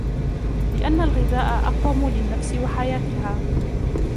لِأَنَّ الْغِذَاءَ أَقْوَمُ لِلنَّفْسِ وَحَيَاتِهَا